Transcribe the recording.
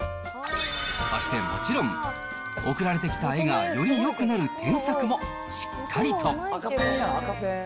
そしてもちろん、送られてきた絵が、よりよくなる添削もしっかりと。